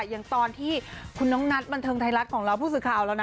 อย่างตอนที่คุณน้องนัทบันเทิงไทยรัฐของเราผู้สื่อข่าวแล้วนะ